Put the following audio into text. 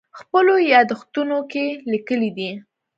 خپلو یادښتونو کې لیکلي دي.